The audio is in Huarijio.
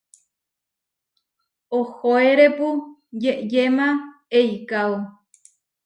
Ohóerepu yeʼyéma eikáo.